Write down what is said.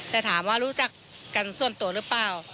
แต่ถามว่ารู้จักกันส่วนตัวหรือเปล่า